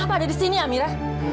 kenapa ada di sini amira